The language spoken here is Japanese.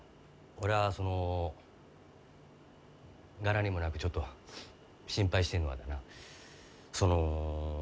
俺はその柄にもなくちょっと心配してんのはだなその。